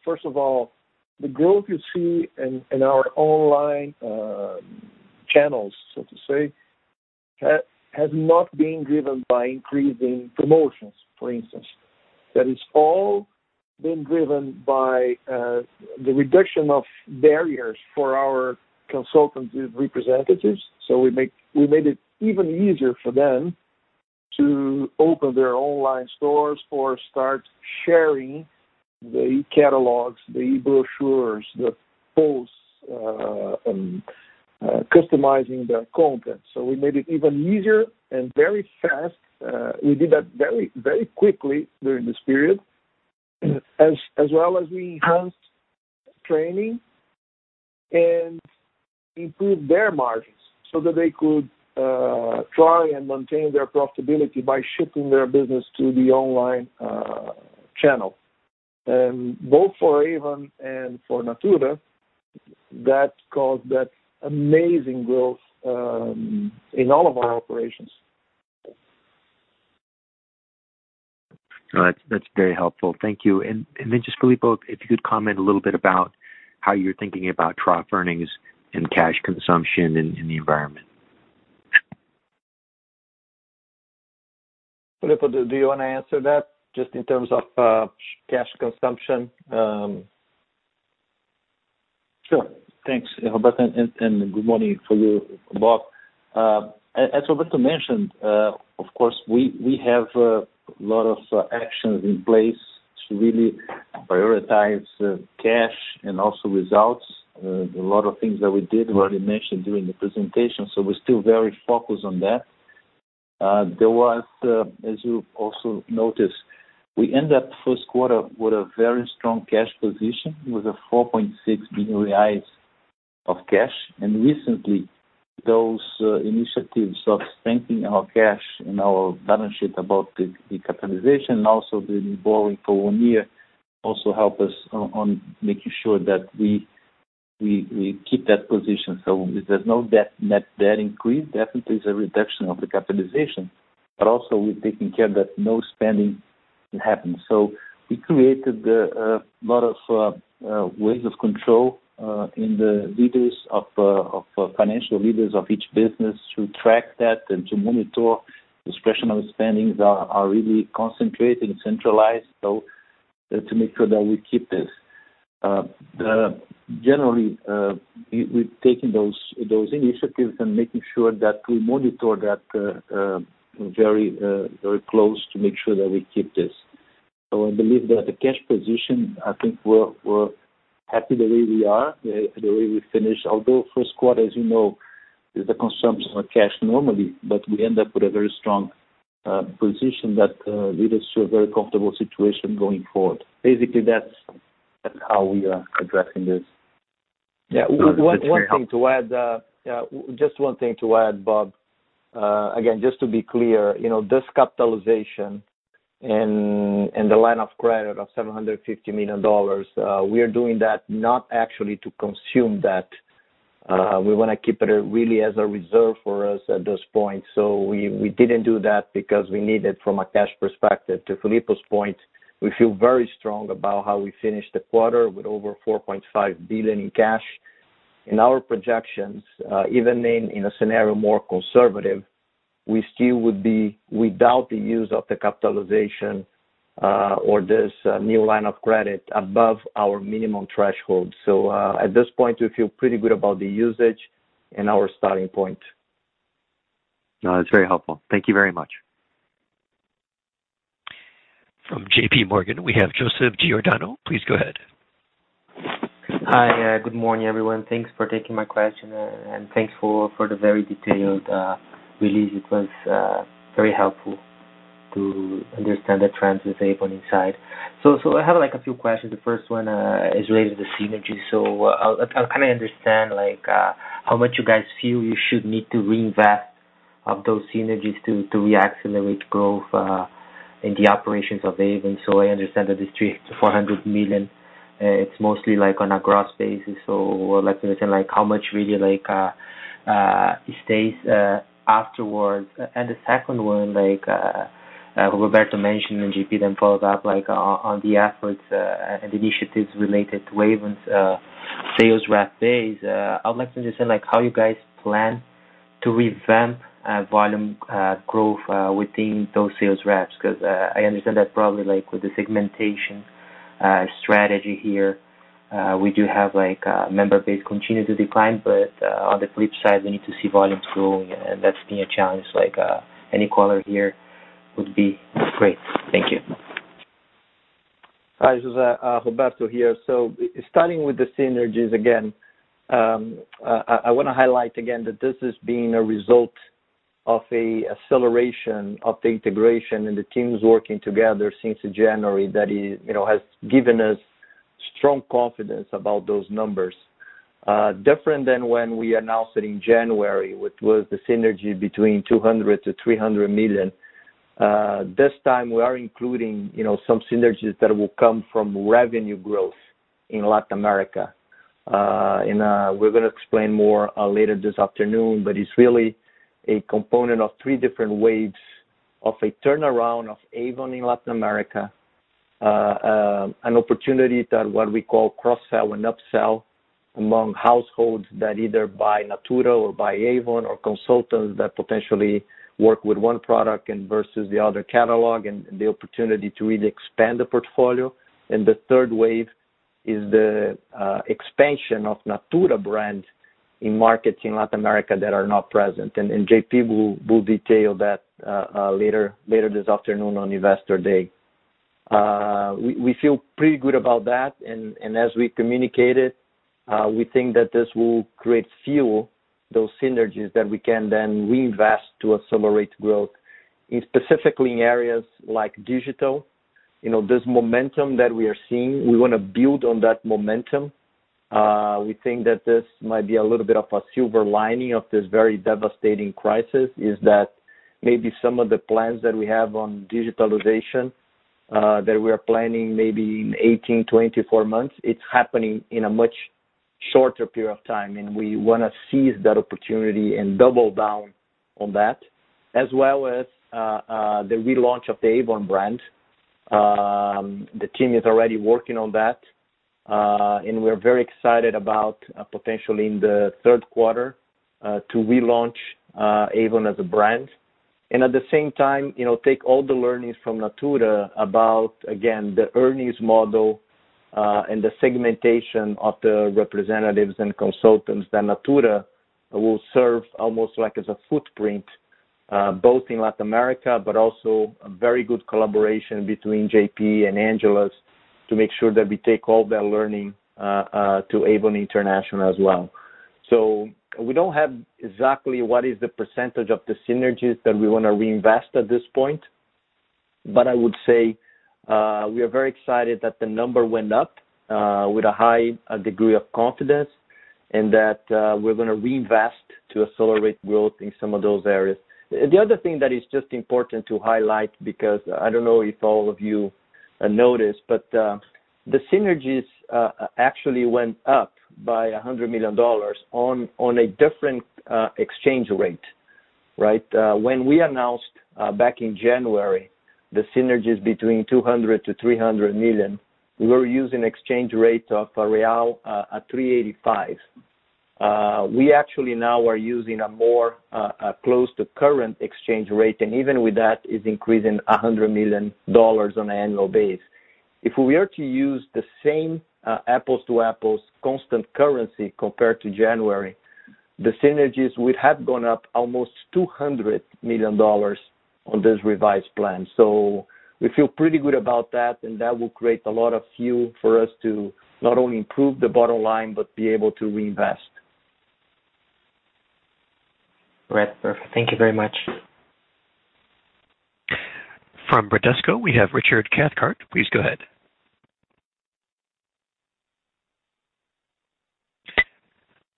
First of all, the growth you see in our online channels, so to say, has not been driven by increasing promotions, for instance. That it's all been driven by the reduction of barriers for our consultant representatives. We made it even easier for them to open their online stores or start sharing the catalogs, the brochures, the posts, and customizing their content. We made it even easier and very fast. We did that very quickly during this period, as well as we enhanced training and improved their margins so that they could try and maintain their profitability by shifting their business to the online channel. Both for Avon and for Natura, that caused that amazing growth in all of our operations. That's very helpful. Thank you. Just, Filippo, if you could comment a little bit about how you're thinking about trough earnings and cash consumption in the environment. Filippo, do you want to answer that just in terms of cash consumption? Sure. Thanks, Roberto. Good morning to you, Bob. As Roberto mentioned, of course, we have a lot of actions in place to really prioritize cash and also results. A lot of things that we did were already mentioned during the presentation, so we're still very focused on that. As you also noticed, we end up first quarter with a very strong cash position with 4.6 billion reais of cash. Recently, those initiatives of strengthening our cash and our balance sheet about the capitalization, also the borrowing for one year, also help us on making sure that we keep that position. There's no net debt increase. Definitely is a reduction of the capitalization. Also we're taking care that no spending happens. We created a lot of ways of control in the leaders, of financial leaders of each business to track that and to monitor. Discretionary spendings are really concentrated and centralized to make sure that we keep this. Generally, we're taking those initiatives and making sure that we monitor that very close to make sure that we keep this. I believe that the cash position, I think we're happy the way we are, the way we finish. Although first quarter, as you know, is the consumption of cash normally, but we end up with a very strong position that lead us to a very comfortable situation going forward. Basically, that's how we are addressing this. Yeah. One thing to add, Bob. Again, just to be clear, this capitalization and the line of credit of BRL 750 million, we are doing that not actually to consume that. We want to keep it really as a reserve for us at this point. We didn't do that because we need it from a cash perspective. To Filippo's point, we feel very strong about how we finished the quarter with over 4.5 billion in cash. In our projections, even in a scenario more conservative, we still would be, without the use of the capitalization or this new line of credit above our minimum threshold. At this point, we feel pretty good about the usage and our starting point. No, that's very helpful. Thank you very much. From JPMorgan, we have Joseph Giordano. Please go ahead. Hi. Good morning, everyone. Thanks for taking my question, and thanks for the very detailed release. It was very helpful to understand the trends with Avon inside. I have a few questions. The first one is related to synergies. I'll kind of understand how much you guys feel you should need to reinvest of those synergies to re-accelerate growth in the operations of Avon. I understand that this $three to $400 million, it's mostly on a gross basis. I would like to understand how much really stays afterwards. The second one, Roberto mentioned, and J.P. Then followed up, on the efforts and initiatives related to Avon's sales rep base. I would like to understand how you guys plan to revamp volume growth within those sales reps, because I understand that probably with the segmentation strategy here, we do have member base continue to decline, but on the flip side, we need to see volumes growing, and that's been a challenge. Any color here would be great. Thank you. Hi, this is Roberto here. Starting with the synergies again, I want to highlight again that this is being a result of an acceleration of the integration and the teams working together since January that has given us strong confidence about those numbers. Different than when we announced it in January, which was the synergy between 200 million-300 million. This time we are including some synergies that will come from revenue growth in Latin America. We're going to explain more later this afternoon, it's really a component of three different waves of a turnaround of Avon in Latin America, an opportunity that what we call cross-sell and up-sell among households that either buy Natura or buy Avon or consultants that potentially work with one product versus the other catalog, and the opportunity to really expand the portfolio. The third wave is the expansion of Natura in markets in Latin America that are not present. J.P. will detail that later this afternoon on Investor Day. We feel pretty good about that, and as we communicate it, we think that this will create fuel, those synergies that we can then reinvest to accelerate growth, specifically in areas like digital. This momentum that we are seeing, we want to build on that momentum. We think that this might be a little bit of a silver lining of this very devastating crisis, is that maybe some of the plans that we have on digitalization, that we are planning maybe in 18, 24 months, it's happening in a much shorter period of time, and we want to seize that opportunity and double down on that, as well as the relaunch of the Avon. The team is already working on that, we're very excited about potentially in the third quarter to relaunch Avon as a brand. At the same time, take all the learnings from Natura about, again, the earnings model, and the segmentation of the representatives and consultants that Natura will serve almost like as a footprint, both in Latin America, but also a very good collaboration between J.P. and Angela to make sure that we take all that learning to Avon International as well. We don't have exactly what is the % of the synergies that we want to reinvest at this point. I would say, we are very excited that the number went up with a high degree of confidence, and that we're going to reinvest to accelerate growth in some of those areas. The other thing that is just important to highlight, because I don't know if all of you noticed, but the synergies actually went up by $100 million on a different exchange rate. When we announced back in January, the synergies between 200 million to 300 million, we were using exchange rates of BRL at 385. We actually now are using a more close to current exchange rate, and even with that, it's increasing $100 million on an annual basis. If we were to use the same apples to apples constant currency compared to January, the synergies would have gone up almost $200 million on this revised plan. We feel pretty good about that, and that will create a lot of fuel for us to not only improve the bottom line, but be able to reinvest. Right. Perfect. Thank you very much. From Bradesco, we have Richard Cathcart. Please go ahead.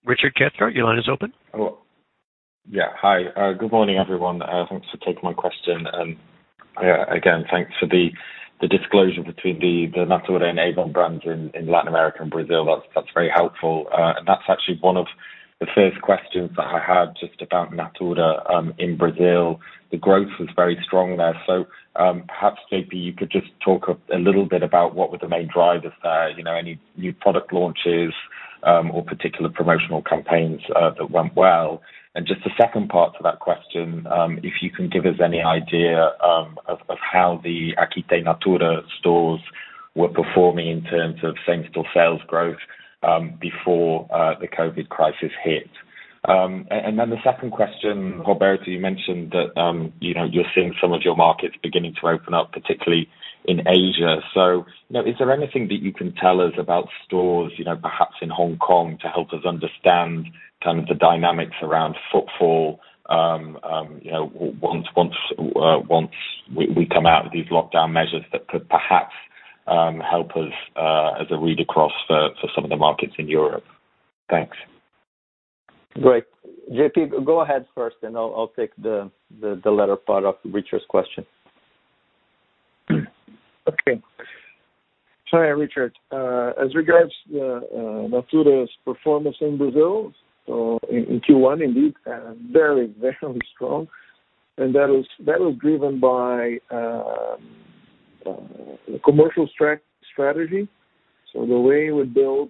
Richard Cathcart, your line is open. Hello. Yeah. Hi. Good morning, everyone. Thanks for taking my question. Again, thanks for the disclosure between the Natura and Avon brands in Latin America and Brazil. That's very helpful. That's actually one of the first questions that I had just about Natura in Brazil. The growth was very strong there. Perhaps, J.P., you could just talk a little bit about what were the main drivers there, any new product launches or particular promotional campaigns that went well. Just a second part to that question, if you can give us any idea of how the Aqui Tem Natura stores were performing in terms of same-store sales growth before the COVID-19 crisis hit. The second question, Roberto, you mentioned that you're seeing some of your markets beginning to open up, particularly in Asia. Is there anything that you can tell us about stores perhaps in Hong Kong to help us understand kind of the dynamics around footfall, once we come out of these lockdown measures that could perhaps help us as a read across for some of the markets in Europe? Thanks. Great. J.P., go ahead first. I'll take the latter part of Richard's question. Okay. Hi, Richard. As regards Natura's performance in Brazil, in Q1, indeed, very, very strong, and that was driven by the commercial strategy. The way we built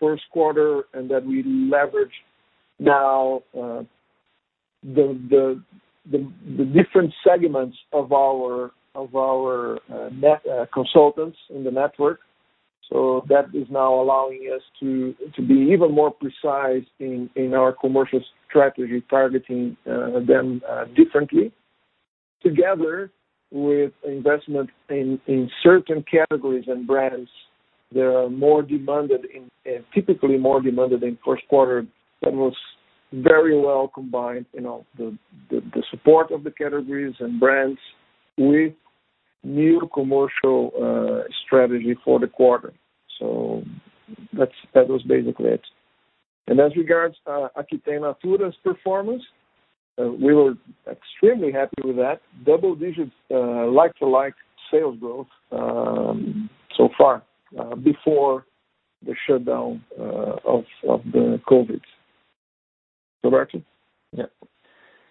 first quarter and that we leverage now the different segments of our consultants in the network. That is now allowing us to be even more precise in our commercial strategy, targeting them differently, together with investment in certain categories and brands that are typically more demanded in first quarter, that was very well combined. The support of the categories and brands with new commercial strategy for the quarter. That was basically it. As regards Aqui Tem Natura's performance, we were extremely happy with that. Double digits like to like sales growth, so far, before the shutdown of the COVID. Roberto? Yeah.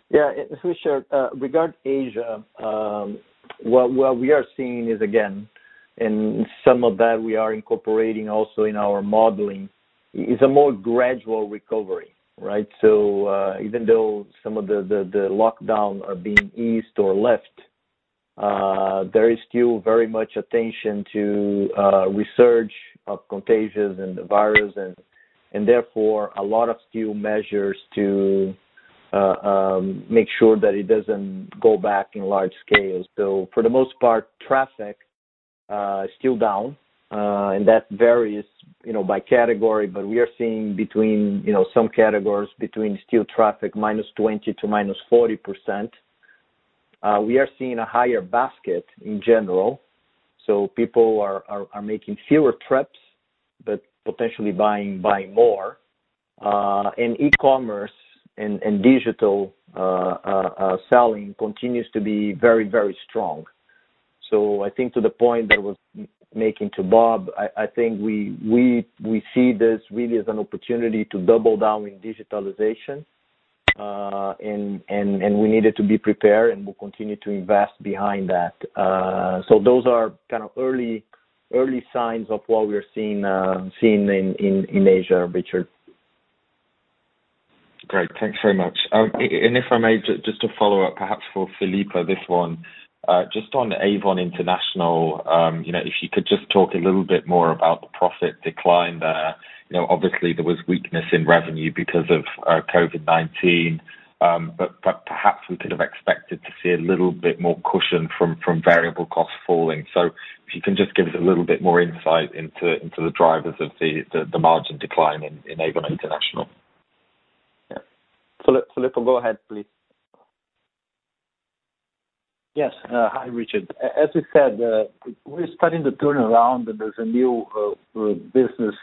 Yeah, Richard, regarding Asia, what we are seeing is again, and some of that we are incorporating also in our modeling, is a more gradual recovery, right? Even though some of the lockdowns are being eased or left, there is still very much attention to resurgence of contagions and the virus and therefore, a lot of still measures to make sure that it doesn't go back in large scale. For the most part, traffic is still down. That varies by category, but we are seeing between some categories, still traffic -20% to -40%. We are seeing a higher basket in general. People are making fewer trips, but potentially buying more, and e-commerce and digital selling continues to be very, very strong. I think to the point that I was making to Bob, I think we see this really as an opportunity to double down in digitalization, and we needed to be prepared, and we'll continue to invest behind that. Those are kind of early signs of what we're seeing in Asia, Richard. Great. Thanks very much. If I may, just to follow up, perhaps for Filippo, this one. Just on Avon International, if you could just talk a little bit more about the profit decline there. Obviously, there was weakness in revenue because of COVID-19. Perhaps we could have expected to see a little bit more cushion from variable costs falling. If you can just give us a little bit more insight into the drivers of the margin decline in Avon International. Yeah. Filippo, go ahead, please. Yes. Hi, Richard. As we said, we're starting to turn around, and there's a new business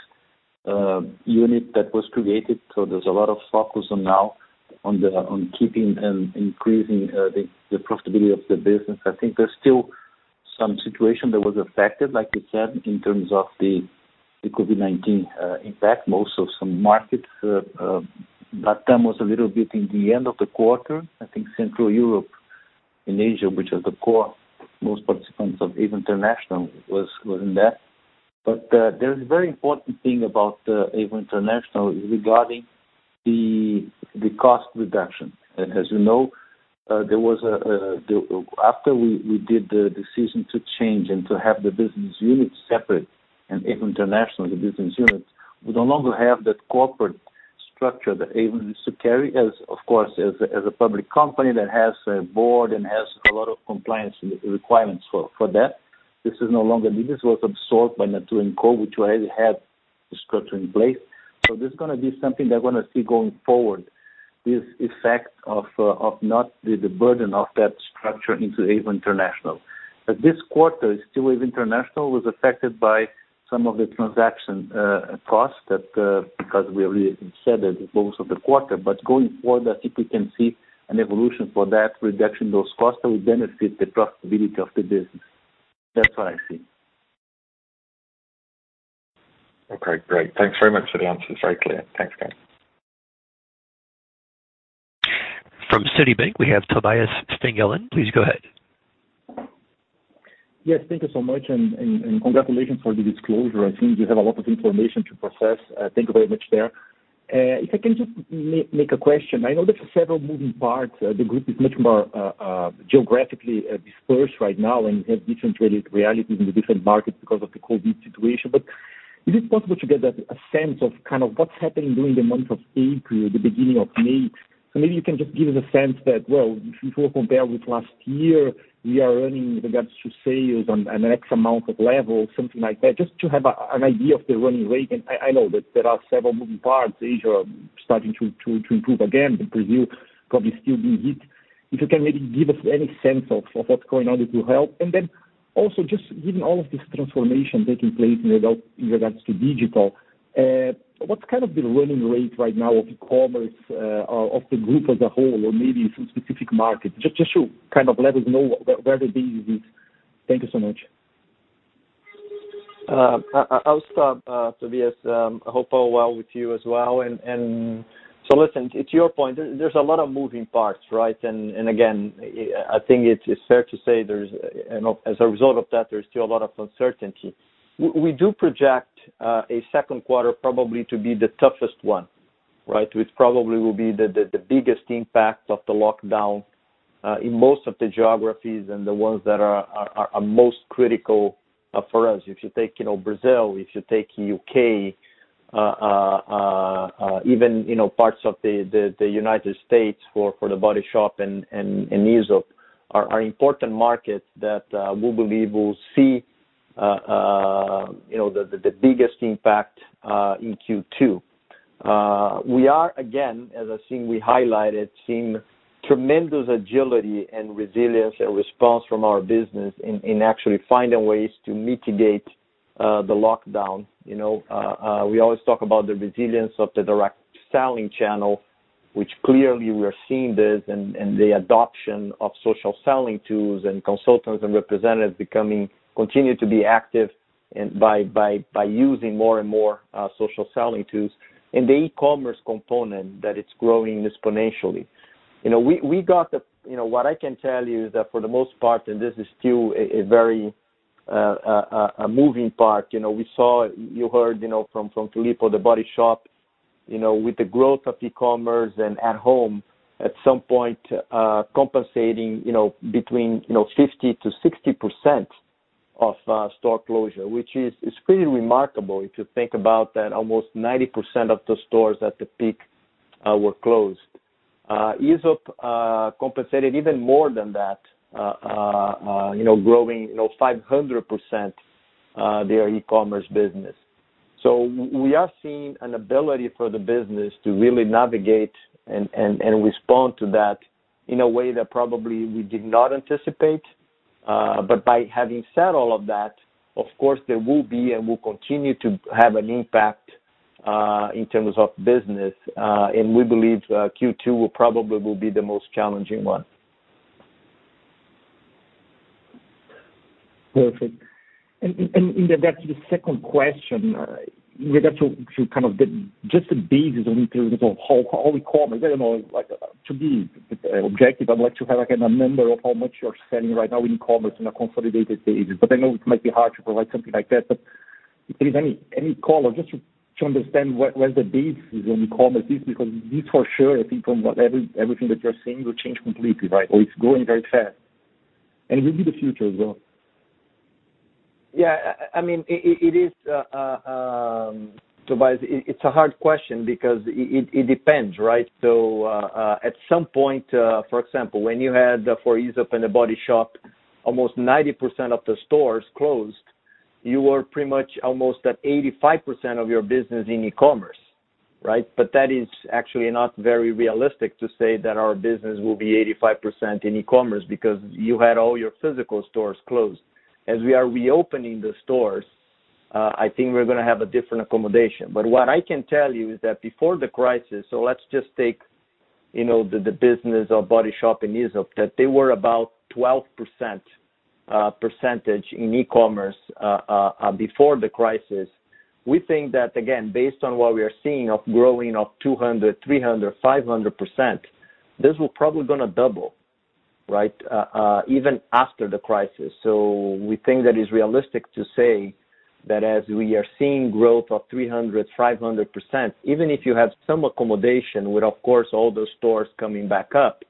unit that was created. There's a lot of focus now on keeping and increasing the profitability of the business. I think there's still some situation that was affected, like you said, in terms of the COVID-19 impact, most of some markets. LATAM was a little bit in the end of the quarter. I think Central Europe and Asia, which is the core, most participants of Avon International was in that. There's a very important thing about Avon International regarding the cost reduction. As you know, after we did the decision to change and to have the business unit separate and Avon International, the business unit, we no longer have that corporate structure that Avon used to carry as, of course, as a public company that has a board and has a lot of compliance requirements for that. This is no longer needed. This was absorbed by Natura &Co, which already had the structure in place. This is going to be something that we're going to see going forward, this effect of not the burden of that structure into Avon International. This quarter, still Avon International was affected by some of the transaction costs, but going forward, I think we can see an evolution for that reduction, those costs that will benefit the profitability of the business. That's what I see. Okay, great. Thanks very much for the answers. Very clear. Thanks, guys. Citibank, we have Tobias Stingelin. Please go ahead. Yes, thank you so much. Congratulations for the disclosure. I think you have a lot of information to process. Thank you very much there. If I can just make a question. I know there's several moving parts. The group is much more geographically dispersed right now and has different realities in the different markets because of the COVID situation. Is it possible to get a sense of what's happening during the month of April, the beginning of May? Maybe you can just give us a sense that, well, if we compare with last year, we are earning in regards to sales on an X amount of level, something like that, just to have an idea of the running rate. I know that there are several moving parts. Asia starting to improve again, but Brazil probably still being hit. If you can maybe give us any sense of what's going on, it will help. Also, just given all of this transformation taking place in regards to digital, what's kind of the running rate right now of e-commerce of the group as a whole or maybe some specific markets, just to kind of let us know where the base is. Thank you so much. I'll start, Tobias. I hope all well with you as well. Listen, to your point, there's a lot of moving parts, right? Again, I think it's fair to say, as a result of that, there's still a lot of uncertainty. We do project a second quarter probably to be the toughest one, right? Which probably will be the biggest impact of the lockdown, in most of the geographies and the ones that are most critical for us. If you take Brazil, if you take U.K., even parts of the U.S. for The Body Shop and Aesop are important markets that we believe will see the biggest impact in Q2. We are, again, as I think we highlighted, seeing tremendous agility and resilience and response from our business in actually finding ways to mitigate the lockdown. We always talk about the resilience of the direct selling channel, which clearly we are seeing this and the adoption of social selling tools and consultants and representatives continue to be active by using more and more social selling tools. The e-commerce component that it's growing exponentially. What I can tell you is that for the most part, and this is still a moving part, we saw, you heard from Filippo, The Body Shop, with the growth of e-commerce and at home, at some point compensating between 50%-60% of store closure, which is pretty remarkable if you think about that almost 90% of the stores at the peak were closed. Aesop compensated even more than that, growing 500% their e-commerce business. We are seeing an ability for the business to really navigate and respond to that in a way that probably we did not anticipate. By having said all of that, of course, there will be and will continue to have an impact in terms of business. We believe Q2 will probably be the most challenging one. Perfect. In regards to the second question, in regards to just the basis in terms of how e-commerce, I don't know, I'd like to have a number of how much you are selling right now in e-commerce in a consolidated basis. I know it might be hard to provide something like that. If there is any color, just to understand where the basis in e-commerce is, because this for sure, I think from everything that you are saying, will change completely, right? It is growing very fast. It will be the future as well. Yeah. It is, Tobias, it's a hard question because it depends, right? At some point, for example, when you had for Aesop and The Body Shop, almost 90% of the stores closed, you were pretty much almost at 85% of your business in e-commerce, right? That is actually not very realistic to say that our business will be 85% in e-commerce because you had all your physical stores closed. As we are reopening the stores, I think we're going to have a different accommodation. What I can tell you is that before the crisis, let's just take the business of Body Shop and Aesop, that they were about 12% percentage in e-commerce before the crisis. We think that, again, based on what we are seeing of growing of 200%, 300%, 500%, this will probably going to double. Even after the crisis. We think that it's realistic to say that as we are seeing growth of 300%, 500%, even if you have some accommodation with, of course, all those stores coming back up,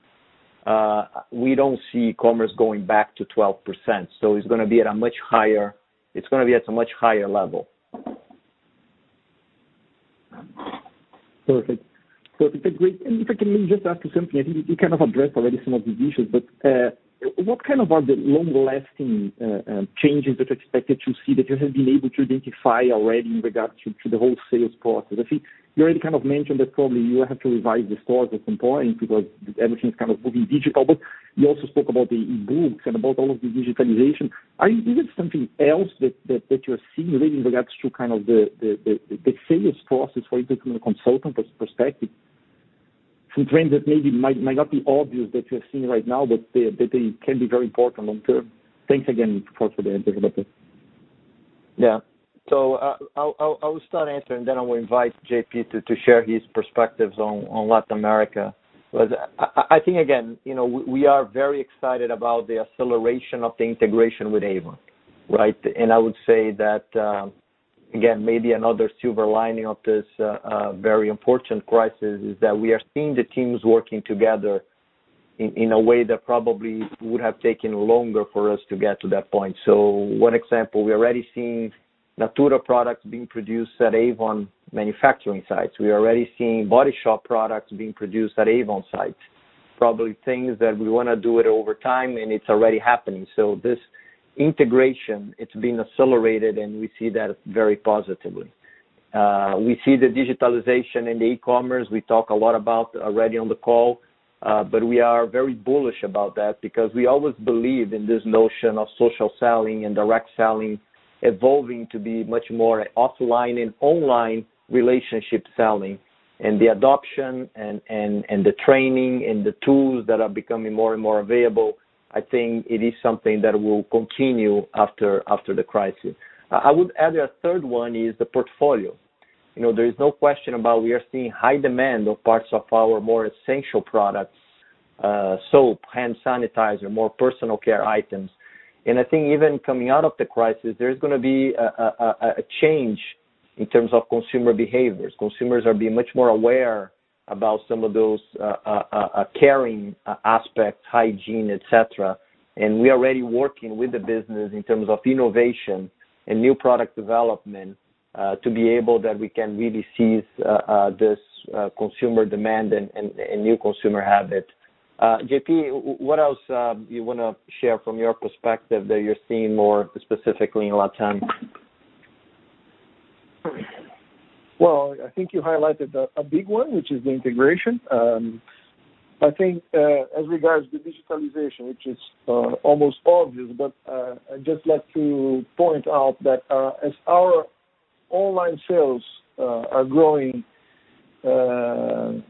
we don't see e-commerce going back to 12%. It's going to be at a much higher level. Perfect. If I can maybe just ask you something, I think you kind of addressed already some of these issues, but what kind of are the long-lasting changes that you expected to see that you have been able to identify already in regards to the whole sales process? I think you already kind of mentioned that probably you have to revise the stores at some point because everything's kind of moving digital, but you also spoke about the e-books and about all of the digitalization. Is it something else that you're seeing really in regards to kind of the sales process, for instance, from a consultant perspective? Some trends that maybe might not be obvious that you're seeing right now, but that they can be very important long term. Thanks again, of course, for the answers about this. Yeah. I will start answering, then I will invite J.P. to share his perspectives on Latin America. Because I think, again, we are very excited about the acceleration of the integration with Avon. Right? I would say that, again, maybe another silver lining of this very important crisis is that we are seeing the teams working together in a way that probably would have taken longer for us to get to that point. One example, we're already seeing Natura products being produced at Avon manufacturing sites. We're already seeing The Body Shop products being produced at Avon sites. Probably things that we want to do it over time, and it's already happening. This integration, it's been accelerated, and we see that very positively. We see the digitalization in the e-commerce. We talk a lot about already on the call. We are very bullish about that because we always believe in this notion of social selling and direct selling evolving to be much more offline and online relationship selling. The adoption and the training and the tools that are becoming more and more available, I think it is something that will continue after the crisis. I would add a third one is the portfolio. There is no question about we are seeing high demand of parts of our more essential products, soap, hand sanitizer, more personal care items. I think even coming out of the crisis, there's going to be a change in terms of consumer behaviors. Consumers are being much more aware about some of those caring aspects, hygiene, et cetera. We're already working with the business in terms of innovation and new product development, to be able that we can really seize this consumer demand and new consumer habit. J.P., what else you want to share from your perspective that you're seeing more specifically in Latin? Well, I think you highlighted a big one, which is the integration. I think, as regards the digitalization, which is almost obvious, but I'd just like to point out that as our online sales are growing at a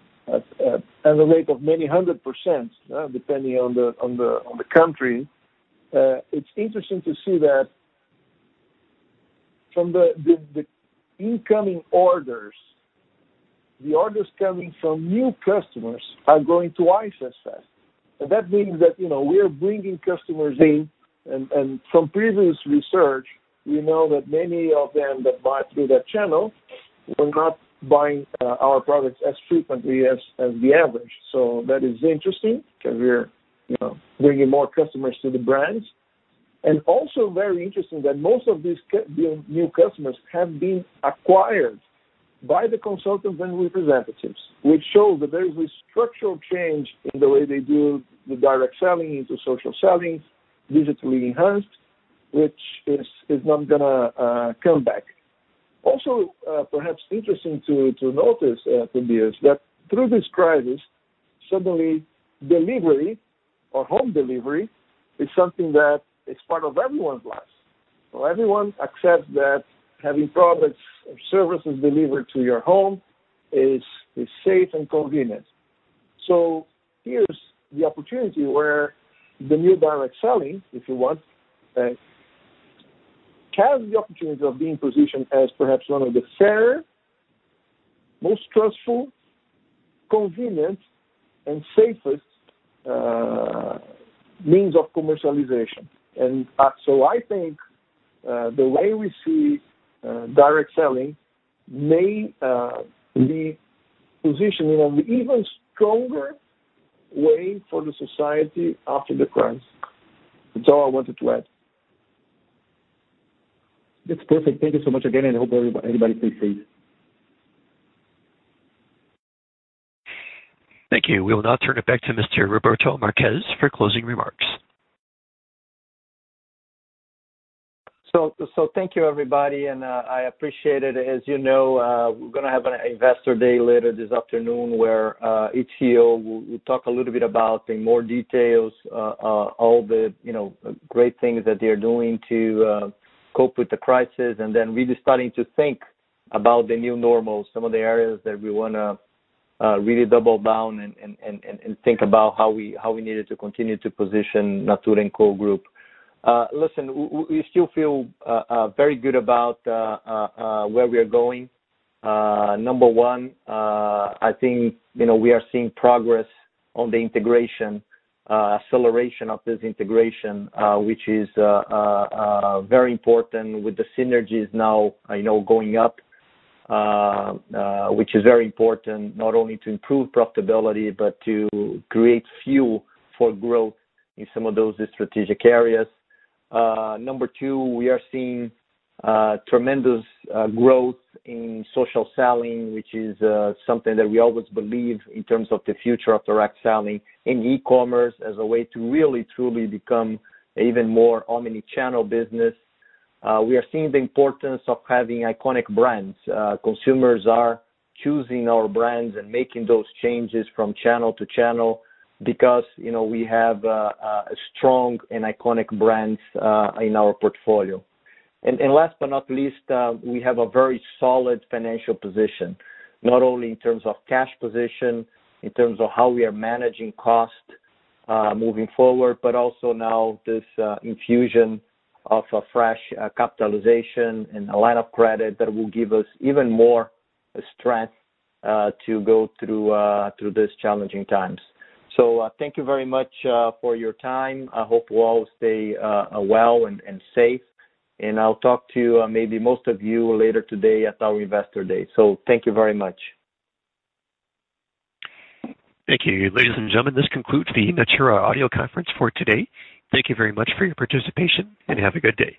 rate of many hundred %, depending on the country, it's interesting to see that from the incoming orders, the orders coming from new customers are growing twice as fast. That means that we are bringing customers in, and from previous research, we know that many of them that buy through that channel were not buying our products as frequently as the average. That is interesting because we're bringing more customers to the brands. Also very interesting that most of these new customers have been acquired by the consultants and representatives, which show that there is a structural change in the way they do the direct selling into social selling, digitally enhanced, which is not going to come back. Perhaps interesting to notice, Tobias, is that through this crisis, suddenly delivery or home delivery is something that is part of everyone's lives. Everyone accepts that having products or services delivered to your home is safe and convenient. Here's the opportunity where the new direct selling, if you want, has the opportunity of being positioned as perhaps one of the fairer, most trustful, convenient, and safest means of commercialization. I think, the way we see direct selling may be positioned in an even stronger way for the society after the crisis. That's all I wanted to add. That's perfect. Thank you so much again. I hope everybody stays safe. Thank you. We will now turn it back to Mr. Roberto Marques for closing remarks. Thank you, everybody, and I appreciate it. As you know, we're going to have an investor day later this afternoon where each CEO will talk a little bit about, in more details, all the great things that they're doing to cope with the crisis, really starting to think about the new normal, some of the areas that we want to really double down and think about how we needed to continue to position Natura &Co group. Listen, we still feel very good about where we're going. Number one, I think we are seeing progress on the integration, acceleration of this integration, which is very important with the synergies now I know going up, which is very important not only to improve profitability, but to create fuel for growth in some of those strategic areas. Number two, we are seeing tremendous growth in social selling, which is something that we always believed in terms of the future of direct selling, in e-commerce as a way to really truly become even more omnichannel business. We are seeing the importance of having iconic brands. Consumers are choosing our brands and making those changes from channel to channel because we have strong and iconic brands in our portfolio. Last but not least, we have a very solid financial position, not only in terms of cash position, in terms of how we are managing cost moving forward, but also now this infusion of a fresh capitalization and a line of credit that will give us even more strength to go through these challenging times. Thank you very much for your time. I hope you all stay well and safe. I'll talk to maybe most of you later today at our investor day. Thank you very much. Thank you. Ladies and gentlemen, this concludes the Natura audio conference for today. Thank you very much for your participation, and have a good day.